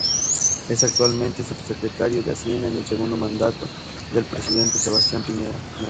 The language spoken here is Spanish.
Es actualmente Subsecretario de Hacienda en el segundo mandato del presidente Sebastián Piñera.